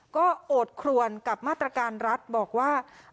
ก็โอดครวนกับมาตรการรัฐบอกว่า